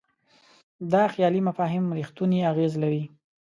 دا خیالي مفاهیم رښتونی اغېز لري.